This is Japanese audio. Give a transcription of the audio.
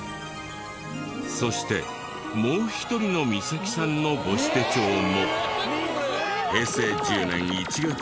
そしてもう一人の美咲さんの母子手帳も平成１０年１月１９日